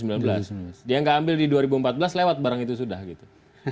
dia nggak ambil di dua ribu empat belas lewat barang itu sudah gitu